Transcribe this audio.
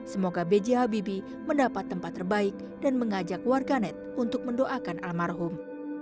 semoga bghbb mendapat tempat terbaik dan mengajak warganet untuk mendoakan almarhum